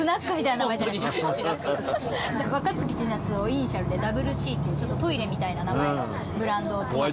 「若槻千夏」をイニシャルで「Ｗ♥Ｃ」っていうちょっとトイレみたいな名前のブランドを作って。